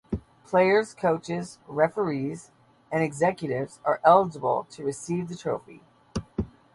Players, coaches, referees, and executives are eligible to receive the trophy.